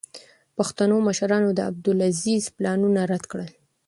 پښتنو مشرانو د عبدالعزیز پلانونه رد کړل.